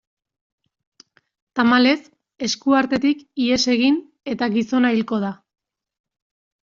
Tamalez, esku artetik ihes egin eta gizona hilko da.